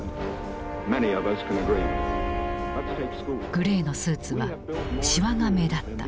グレーのスーツはしわが目立った。